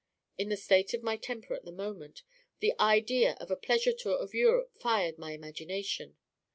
In the state of my temper at that moment, the idea of a pleasure tour in Europe fired my imagination.